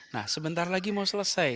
nah sebentar lagi mau selesai